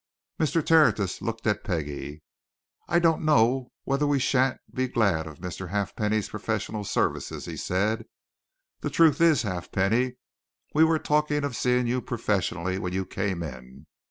Mr. Tertius looked at Peggie. "I don't know whether we shan't be glad of Mr. Halfpenny's professional services?" he said. "The truth is, Halfpenny, we were talking of seeing you professionally when you came in.